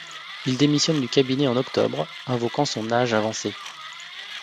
Il démissionne du cabinet en octobre, invoquant son âge avancé.